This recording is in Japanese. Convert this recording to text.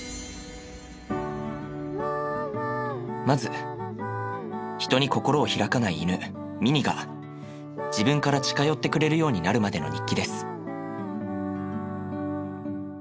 まず人に心をひらかない犬ミニが自分から近寄ってくれるようになるまでの日記です。